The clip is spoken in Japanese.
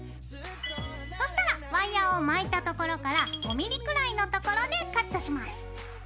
そしたらワイヤーを巻いた所から５ｍｍくらいの所でカットします。